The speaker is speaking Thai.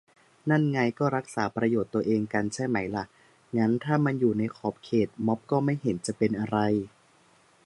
นั่นไง ก็รักษาประโยชน์ตัวเองกันใช่ไหมล่ะ งั้นถ้ามันอยู่ในขอบเขต ม็อบก็ไม่เห็นจะเป็นอะไร